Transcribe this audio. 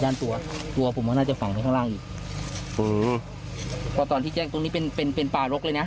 ตอนที่แจ้งตรงนี้เป็นปลารกเลยนะ